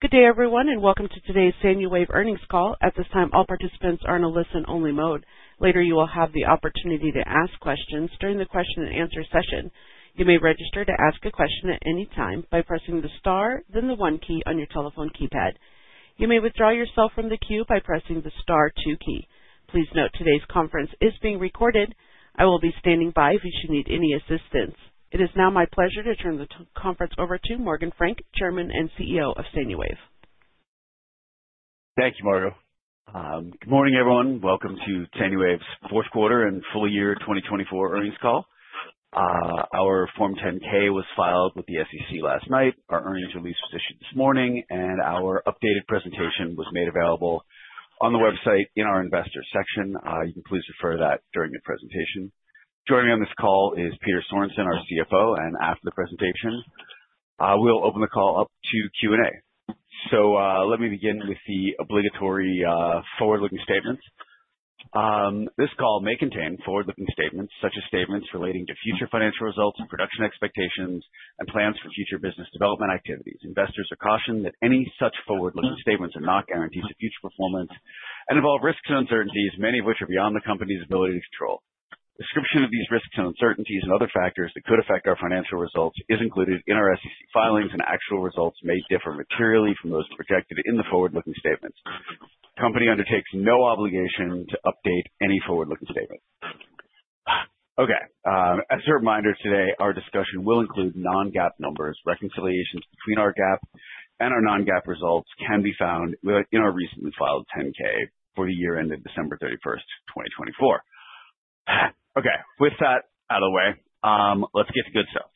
Good day, everyone, and welcome to today's Sanuwave Earnings Call. At this time, all participants are in a listen-only mode. Later, you will have the opportunity to ask questions during the question-and-answer session. You may register to ask a question at any time by pressing the star, then the one key on your telephone keypad. You may withdraw yourself from the queue by pressing the star two key. Please note today's conference is being recorded. I will be standing by if you should need any assistance. It is now my pleasure to turn the conference over to Morgan Frank, Chairman and CEO of Sanuwave. Thank you, Margo. Good morning, everyone. Welcome to Sanuwave's fourth quarter and full year 2024 earnings call. Our Form 10-K was filed with the SEC last night. Our earnings release was issued this morning, and our updated presentation was made available on the website in our investors' section. You can please refer to that during your presentation. Joining me on this call is Peter Sorensen, our CFO, and after the presentation, we'll open the call up to Q&A. Let me begin with the obligatory forward-looking statements. This call may contain forward-looking statements such as statements relating to future financial results, production expectations, and plans for future business development activities. Investors are cautioned that any such forward-looking statements are not guarantees of future performance and involve risks and uncertainties, many of which are beyond the company's ability to control. Description of these risks and uncertainties and other factors that could affect our financial results is included in our SEC filings, and actual results may differ materially from those projected in the forward-looking statements. The company undertakes no obligation to update any forward-looking statement. Okay. As a reminder, today, our discussion will include non-GAAP numbers. Reconciliations between our GAAP and our non-GAAP results can be found in our recently filed Form 10-K for the year ended December 31, 2024. Okay. With that out of the way, let's get to good stuff.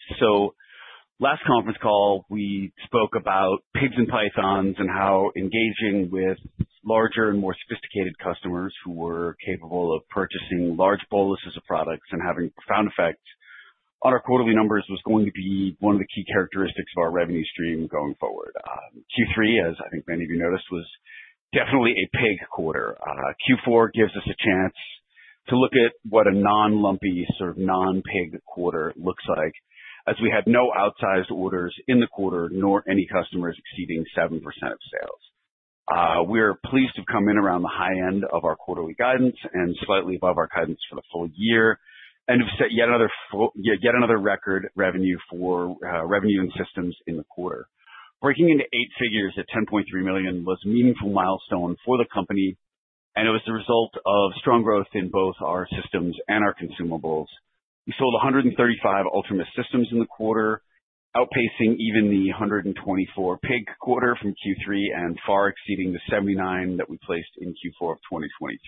Last conference call, we spoke about pigs and pythons and how engaging with larger and more sophisticated customers who were capable of purchasing large boluses of products and having profound effects on our quarterly numbers was going to be one of the key characteristics of our revenue stream going forward. Q3, as I think many of you noticed, was definitely a pig quarter. Q4 gives us a chance to look at what a non-lumpy sort of non-pig quarter looks like as we had no outsized orders in the quarter nor any customers exceeding 7% of sales. We are pleased to have come in around the high end of our quarterly guidance and slightly above our guidance for the full year and have set yet another record revenue for revenue and systems in the quarter. Breaking into eight figures at $10.3 million was a meaningful milestone for the company, and it was the result of strong growth in both our systems and our consumables. We sold 135 UltraMist systems in the quarter, outpacing even the 124 pig quarter from Q3 and far exceeding the 79 that we placed in Q4 of 2023.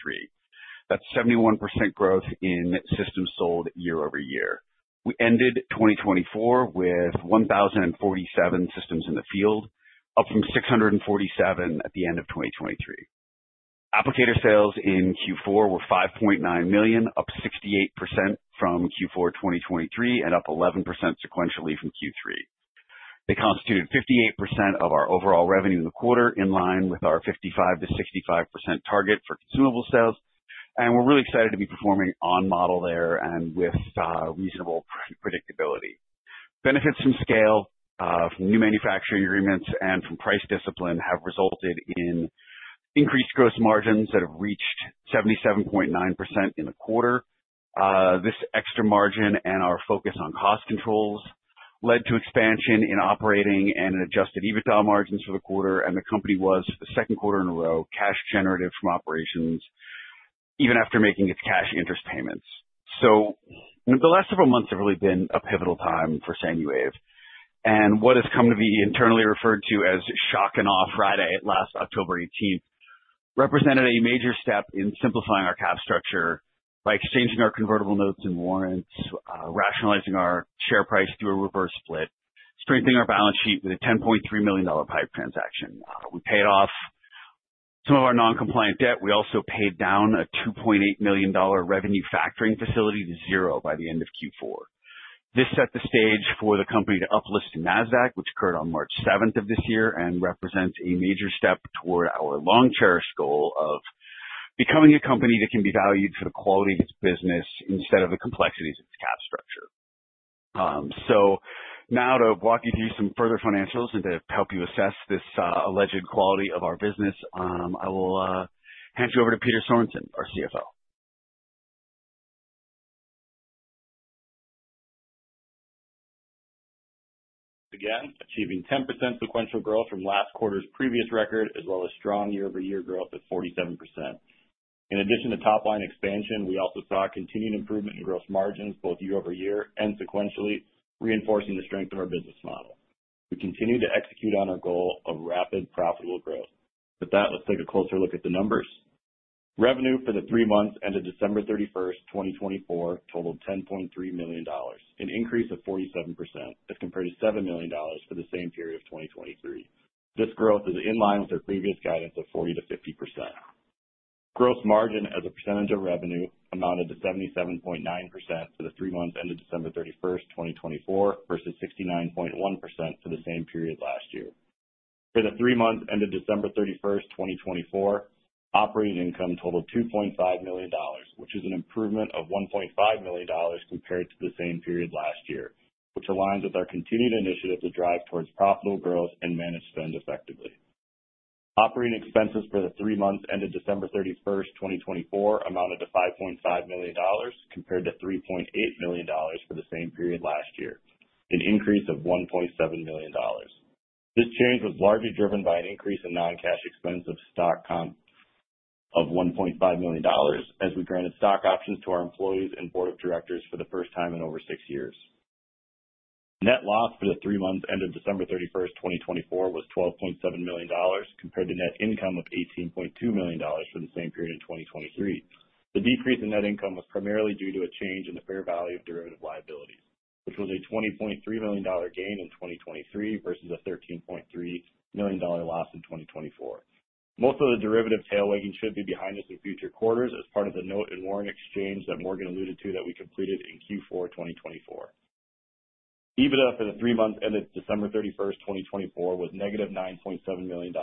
That's 71% growth in systems sold year-over-year. We ended 2024 with 1,047 systems in the field, up from 647 at the end of 2023. Applicator sales in Q4 were $5.9 million, up 68% from Q4 2023 and up 11% sequentially from Q3. They constituted 58% of our overall revenue in the quarter, in line with our 55-65% target for consumable sales. We're really excited to be performing on model there and with reasonable predictability. Benefits from scale, from new manufacturing agreements, and from price discipline have resulted in increased gross margins that have reached 77.9% in the quarter. This extra margin and our focus on cost controls led to expansion in operating and adjusted EBITDA margins for the quarter, and the company was, for the second quarter in a row, cash-generative from operations even after making its cash interest payments. The last several months have really been a pivotal time for Sanuwave. What has come to be internally referred to as Shock and Awe Friday last October 18th represented a major step in simplifying our cap structure by exchanging our convertible notes and warrants, rationalizing our share price through a reverse split, strengthening our balance sheet with a $10.3 million PIPE transaction. We paid off some of our non-compliant debt. We also paid down a $2.8 million revenue factoring facility to zero by the end of Q4. This set the stage for the company to uplist to NASDAQ, which occurred on March 7th of this year and represents a major step toward our long-cherished goal of becoming a company that can be valued for the quality of its business instead of the complexities of its cap structure. Now, to walk you through some further financials and to help you assess this alleged quality of our business, I will hand you over to Peter Sorensen, our CFO. Again, achieving 10% sequential growth from last quarter's previous record, as well as strong year-over-year growth of 47%. In addition to top-line expansion, we also saw continued improvement in gross margins, both year-over-year and sequentially, reinforcing the strength of our business model. We continue to execute on our goal of rapid, profitable growth. With that, let's take a closer look at the numbers. Revenue for the three months ended December 31, 2024, totaled $10.3 million, an increase of 47% as compared to $7 million for the same period of 2023. This growth is in line with our previous guidance of 40-50%. Gross margin as a percentage of revenue amounted to 77.9% for the three months ended December 31, 2024, versus 69.1% for the same period last year. For the three months ended December 31, 2024, operating income totaled $2.5 million, which is an improvement of $1.5 million compared to the same period last year, which aligns with our continued initiative to drive towards profitable growth and manage spend effectively. Operating expenses for the three months ended December 31, 2024, amounted to $5.5 million compared to $3.8 million for the same period last year, an increase of $1.7 million. This change was largely driven by an increase in non-cash, expense of stock comp of $1.5 million as we granted stock options to our employees and board of directors for the first time in over six years. Net loss for the three months ended December 31, 2024, was $12.7 million compared to net income of $18.2 million for the same period in 2023. The decrease in net income was primarily due to a change in the fair value of derivative liabilities, which was a $20.3 million gain in 2023 versus a $13.3 million loss in 2024. Most of the derivative tailwagging should be behind us in future quarters as part of the note and warrant exchange that Morgan alluded to that we completed in Q4 2024. EBITDA for the three months ended December 31, 2024, was negative $9.7 million.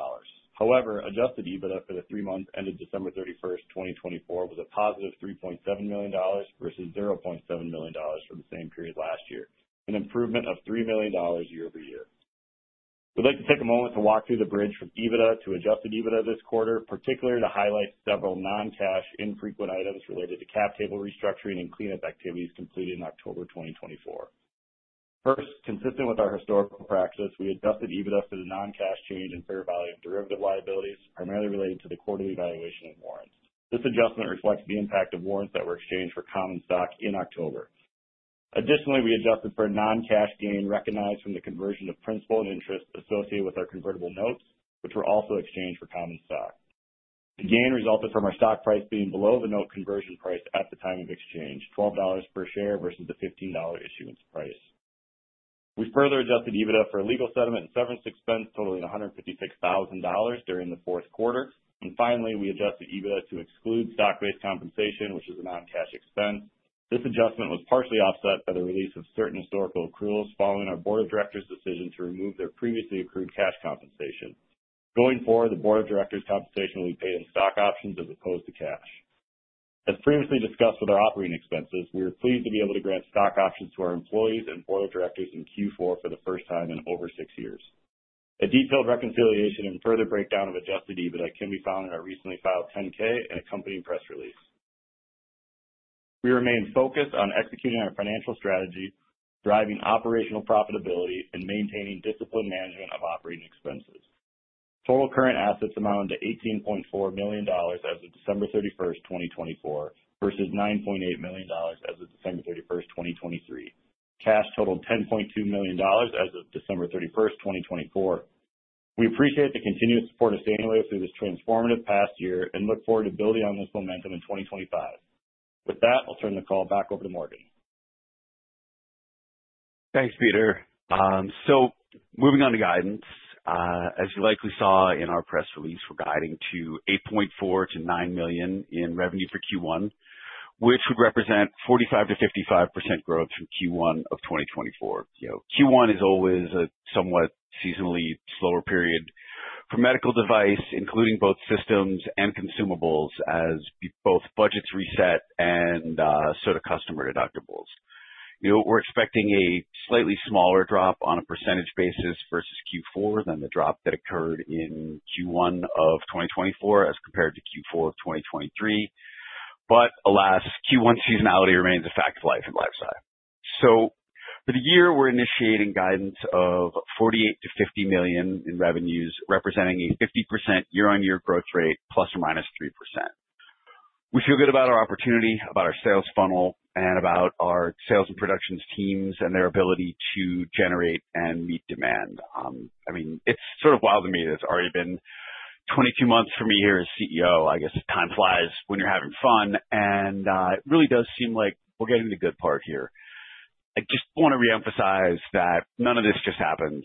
However, adjusted EBITDA for the three months ended December 31, 2024, was a positive $3.7 million versus $0.7 million for the same period last year, an improvement of $3 million year-over-year. We'd like to take a moment to walk through the bridge from EBITDA to adjusted EBITDA this quarter, particularly to highlight several non-cash infrequent items related to cap table restructuring and cleanup activities completed in October 2024. First, consistent with our historical practice, we adjusted EBITDA for the non-cash change in fair value of derivative liabilities, primarily related to the quarterly valuation of warrants. This adjustment reflects the impact of warrants that were exchanged for common stock in October. Additionally, we adjusted for a non-cash gain recognized from the conversion of principal and interest associated with our convertible notes, which were also exchanged for common stock. The gain resulted from our stock price being below the note conversion price at the time of exchange, $12 per share versus the $15 issuance price. We further adjusted EBITDA for a legal settlement and severance expense, totaling $156,000 during the fourth quarter. Finally, we adjusted EBITDA to exclude stock-based compensation, which is a non-cash expense. This adjustment was partially offset by the release of certain historical accruals following our board of directors' decision to remove their previously accrued cash compensation. Going forward, the board of directors' compensation will be paid in stock options as opposed to cash. As previously discussed with our operating expenses, we are pleased to be able to grant stock options to our employees and board of directors in Q4 for the first time in over six years. A detailed reconciliation and further breakdown of adjusted EBITDA can be found in our recently filed Form 10-K and accompanying press release. We remain focused on executing our financial strategy, driving operational profitability, and maintaining disciplined management of operating expenses. Total current assets amounted to $18.4 million as of December 31, 2024, versus $9.8 million as of December 31, 2023. Cash totaled $10.2 million as of December 31, 2024. We appreciate the continued support of SANUWAVE through this transformative past year and look forward to building on this momentum in 2025. With that, I'll turn the call back over to Morgan. Thanks, Peter. Moving on to guidance, as you likely saw in our press release, we're guiding to $8.4 million-$9 million in revenue for Q1, which would represent 45%-55% growth from Q1 of 2024. Q1 is always a somewhat seasonally slower period for medical device, including both systems and consumables, as both budgets reset and so do customer deductibles. We're expecting a slightly smaller drop on a percentage basis versus Q4 than the drop that occurred in Q1 of 2024 as compared to Q4 of 2023. Alas, Q1 seasonality remains a fact of life and lifestyle. For the year, we're initiating guidance of $48 million-$50 million in revenues, representing a 50% year-on-year growth rate, plus or minus 3%. We feel good about our opportunity, about our sales funnel, and about our sales and productions teams and their ability to generate and meet demand. I mean, it's sort of wild to me that it's already been 22 months for me here as CEO. I guess time flies when you're having fun. It really does seem like we're getting to the good part here. I just want to reemphasize that none of this just happens.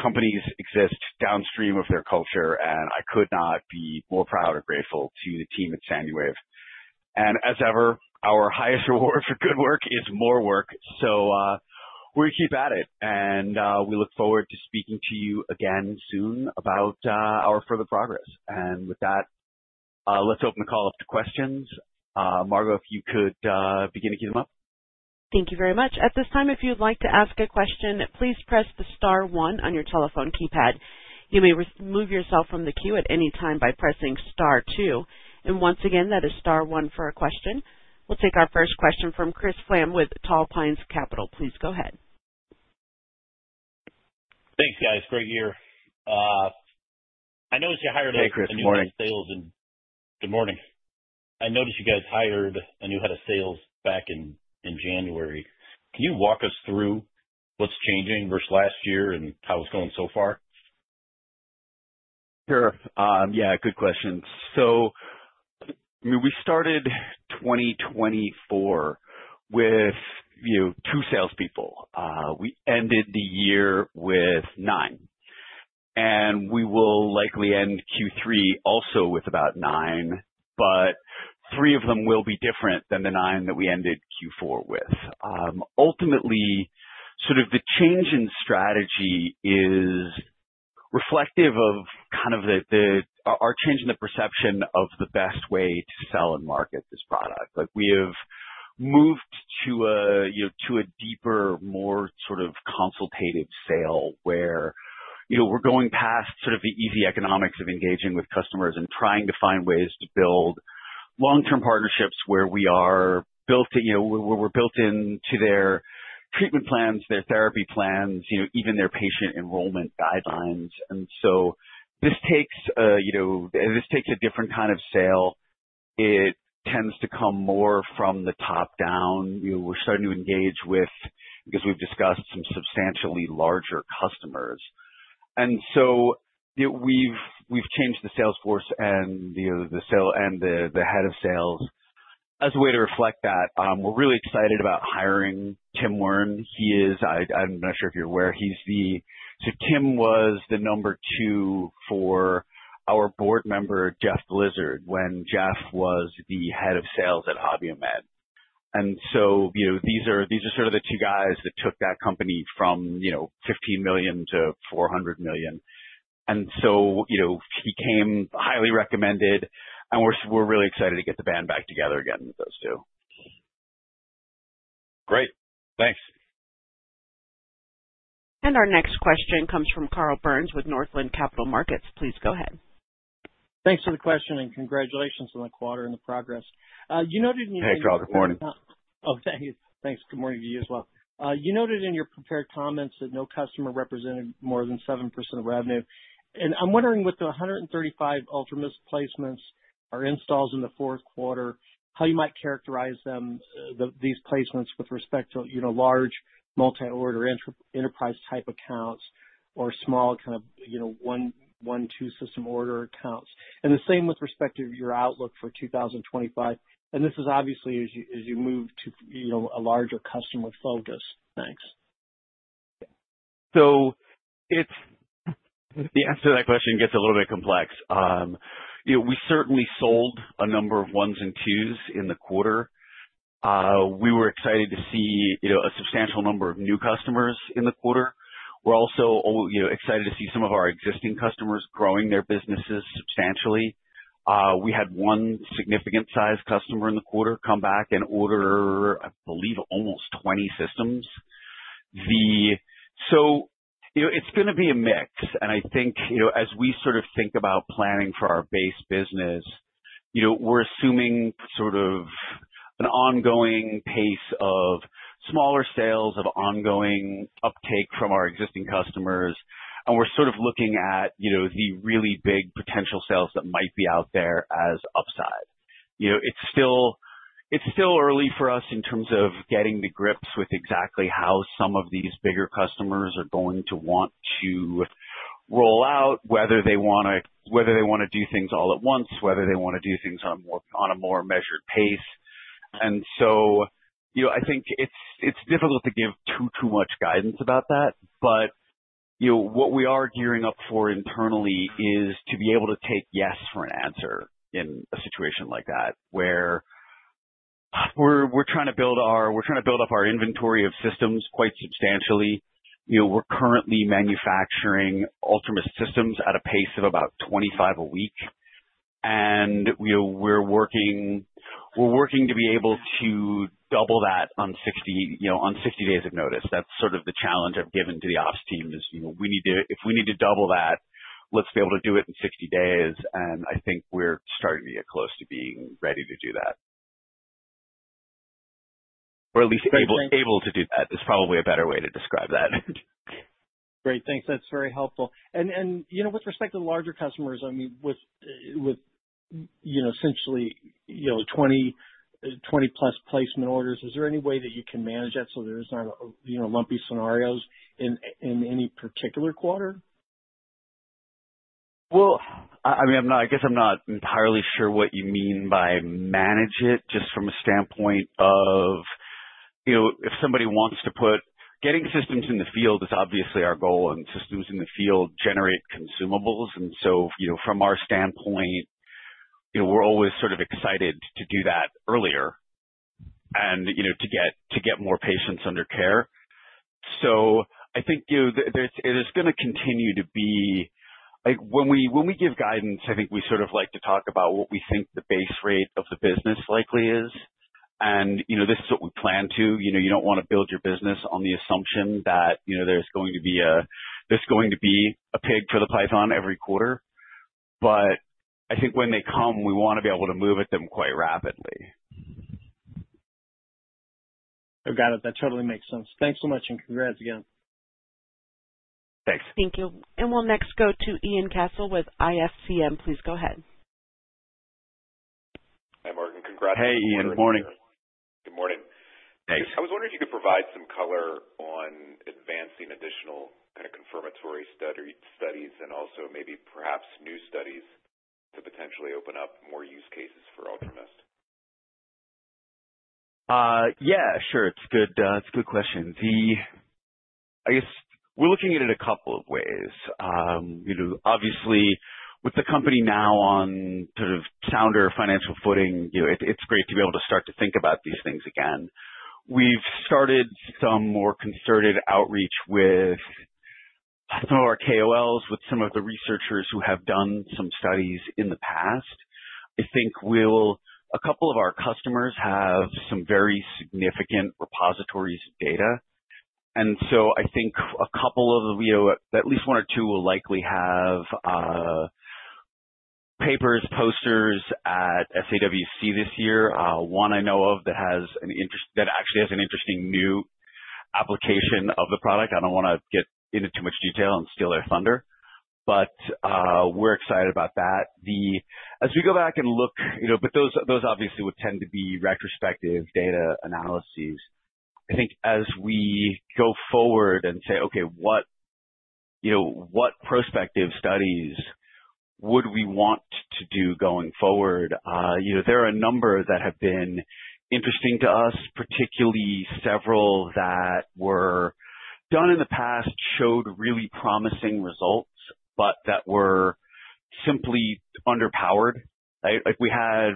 Companies exist downstream of their culture, and I could not be more proud or grateful to the team at Sanuwave. As ever, our highest reward for good work is more work. We're going to keep at it, and we look forward to speaking to you again soon about our further progress. With that, let's open the call up to questions. Margo, if you could begin to queue them up. Thank you very much. At this time, if you'd like to ask a question, please press the star one on your telephone keypad. You may remove yourself from the queue at any time by pressing star two. Once again, that is star one for a question. We'll take our first question from Chris Plumb with Tall Pines Capital. Please go ahead. Thanks, guys. Great year. I noticed you hired a new head of sales. Hey, Chris. Morning. Good morning. I noticed you guys hired a new head of sales back in January. Can you walk us through what's changing versus last year and how it's going so far? Sure. Yeah, good question. We started 2024 with two salespeople. We ended the year with nine, and we will likely end Q3 also with about nine, but three of them will be different than the nine that we ended Q4 with. Ultimately, the change in strategy is reflective of our change in the perception of the best way to sell and market this product. We have moved to a deeper, more consultative sale where we're going past the easy economics of engaging with customers and trying to find ways to build long-term partnerships where we are built in to their treatment plans, their therapy plans, even their patient enrollment guidelines. This takes a different kind of sale. It tends to come more from the top down. We're starting to engage with, because we've discussed, some substantially larger customers. We have changed the salesforce and the head of sales as a way to reflect that. We are really excited about hiring Tim Warne. I am not sure if you are aware. Tim was the number two for our board member, Jeff Lazar, when Jeff was the head of sales at Abiomed. These are sort of the two guys that took that company from $15 million to $400 million. He came highly recommended, and we are really excited to get the band back together again with those two. Great. Thanks. Our next question comes from Carl Byrnes with Northland Capital Markets. Please go ahead. Thanks for the question, and congratulations on the quarter and the progress. You noted in your. Hey, Charles. Good morning. Oh, thanks. Thanks. Good morning to you as well. You noted in your prepared comments that no customer represented more than 7% of revenue. I'm wondering with the 135 UltraMist placements or installs in the fourth quarter, how you might characterize these placements with respect to large, multi-order enterprise-type accounts or small kind of one, two-system order accounts. The same with respect to your outlook for 2025. This is obviously as you move to a larger customer focus. Thanks. The answer to that question gets a little bit complex. We certainly sold a number of ones and twos in the quarter. We were excited to see a substantial number of new customers in the quarter. We are also excited to see some of our existing customers growing their businesses substantially. We had one significant-sized customer in the quarter come back and order, I believe, almost 20 systems. It is going to be a mix. I think as we sort of think about planning for our base business, we are assuming sort of an ongoing pace of smaller sales, of ongoing uptake from our existing customers. We are sort of looking at the really big potential sales that might be out there as upside. It's still early for us in terms of getting the grips with exactly how some of these bigger customers are going to want to roll out, whether they want to do things all at once, whether they want to do things on a more measured pace. I think it's difficult to give too, too much guidance about that. What we are gearing up for internally is to be able to take yes for an answer in a situation like that, where we're trying to build our we're trying to build up our inventory of systems quite substantially. We're currently manufacturing UltraMist systems at a pace of about 25 a week. We're working to be able to double that on 60 days of notice. That's sort of the challenge I've given to the ops team is, if we need to double that, let's be able to do it in 60 days. I think we're starting to get close to being ready to do that, or at least able to do that. It's probably a better way to describe that. Great. Thanks. That's very helpful. With respect to the larger customers, I mean, with essentially 20-plus placement orders, is there any way that you can manage that so there's not lumpy scenarios in any particular quarter? I mean, I guess I'm not entirely sure what you mean by manage it just from a standpoint of if somebody wants to put getting systems in the field is obviously our goal, and systems in the field generate consumables. From our standpoint, we're always sort of excited to do that earlier and to get more patients under care. I think it is going to continue to be when we give guidance, I think we sort of like to talk about what we think the base rate of the business likely is. This is what we plan to. You don't want to build your business on the assumption that there's going to be a there's going to be a pig in the python every quarter. I think when they come, we want to be able to move at them quite rapidly. I've got it. That totally makes sense. Thanks so much, and congrats again. Thanks. Thank you. We will next go to Ian Cassel with IFCM. Please go ahead. Hi, Morgan. Congratulations on your. Hey, Ian. Good morning. Good morning. Thanks. I was wondering if you could provide some color on advancing additional kind of confirmatory studies and also maybe perhaps new studies to potentially open up more use cases for UltraMist. Yeah, sure. It's a good question. I guess we're looking at it a couple of ways. Obviously, with the company now on sort of sounder financial footing, it's great to be able to start to think about these things again. We've started some more concerted outreach with some of our KOLs, with some of the researchers who have done some studies in the past. I think a couple of our customers have some very significant repositories of data. I think a couple of at least one or two will likely have papers, posters at SAWC this year. One I know of that actually has an interesting new application of the product. I don't want to get into too much detail and steal their thunder. We're excited about that. As we go back and look, those obviously would tend to be retrospective data analyses. I think as we go forward and say, "Okay, what prospective studies would we want to do going forward?" There are a number that have been interesting to us, particularly several that were done in the past, showed really promising results, but that were simply underpowered. We had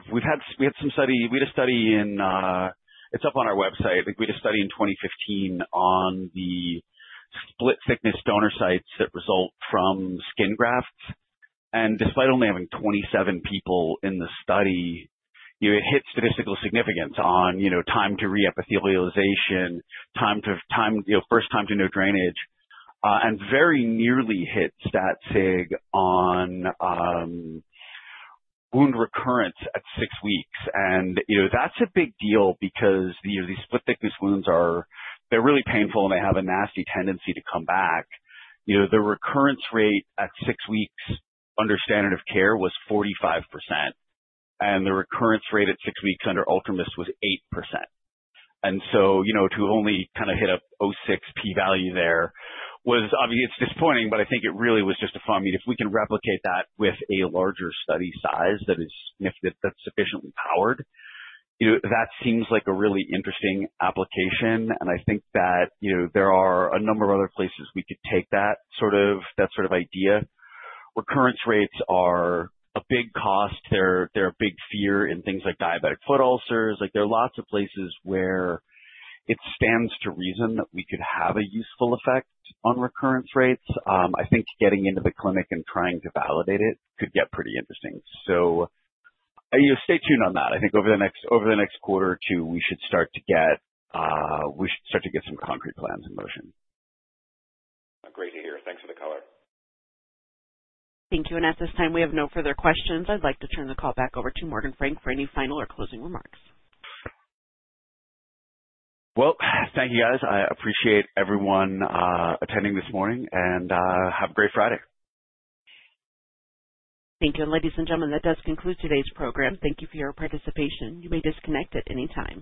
some study we had a study in it's up on our website. We had a study in 2015 on the split-thickness donor sites that result from skin grafts. Despite only having 27 people in the study, it hit statistical significance on time to re-epithelialization, time to first time to no drainage, and very nearly hit stat sig on wound recurrence at six weeks. That is a big deal because these split-thickness wounds, they are really painful, and they have a nasty tendency to come back. The recurrence rate at six weeks under standard of care was 45%, and the recurrence rate at six weeks under UltraMist was 8%. To only kind of hit a 0.6 p-value there was, I mean, it's disappointing, but I think it really was just a fun. I mean, if we can replicate that with a larger study size that's sufficiently powered, that seems like a really interesting application. I think that there are a number of other places we could take that sort of idea. Recurrence rates are a big cost. They're a big fear in things like diabetic foot ulcers. There are lots of places where it stands to reason that we could have a useful effect on recurrence rates. I think getting into the clinic and trying to validate it could get pretty interesting. Stay tuned on that. I think over the next quarter or two, we should start to get some concrete plans in motion. Great to hear. Thanks for the color. Thank you. At this time, we have no further questions. I'd like to turn the call back over to Morgan Frank for any final or closing remarks. Thank you, guys. I appreciate everyone attending this morning, and have a great Friday. Thank you. Ladies and gentlemen, that does conclude today's program. Thank you for your participation. You may disconnect at any time.